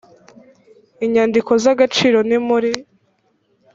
inyandiko z agaciro ni muri